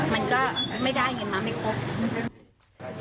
มันก็ไม่ได้เห็นมั้ยไม่ครบ